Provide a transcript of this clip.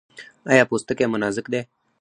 ایا پوستکی مو نازک دی؟